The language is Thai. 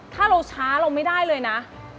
ถ้าเราช้าเราไม่ได้เลยนะ